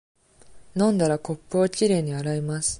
飲んだら、コップをきれいに洗います。